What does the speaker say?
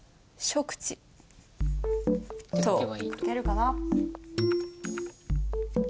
書けるかな？